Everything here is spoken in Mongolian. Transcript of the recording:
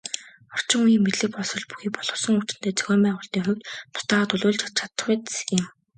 Орчин үеийн мэдлэг боловсрол бүхий боловсон хүчинтэй, зохион байгуулалтын хувьд бусдыгаа төлөөлж чадахуйц юм.